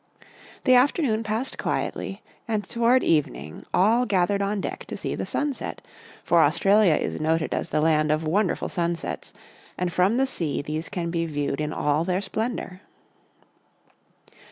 The afternoon passed quietly and toward eve ning all gathered on deck to see the sunset, for Australia is noted as the land of wonderful sun sets, and from the sea these can be viewed in all their splendour.